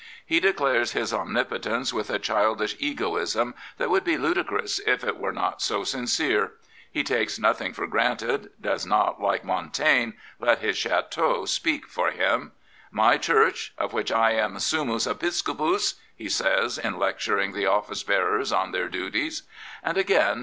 He declares his omnipotence with a childish egoism that would be ludicrous if it were not so sincere. He takes nothing for granted — does not, like Mon taigne, let his chateaux speak for him. My Church, of which I am summus episcopus" he says, in lectur ing the office bearers on their duties. And again.